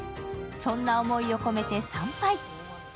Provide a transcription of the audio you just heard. そんな思いを込めて参拝。